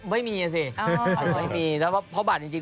ไม่มีนะสิพอบัตรจริง